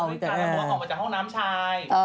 เพราะว่าออกมาจากห้องน้ำชาย